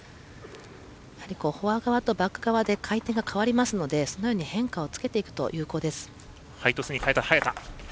フォア側とバック側で回転が変わりますのでそのように変化をつけていくと有効です。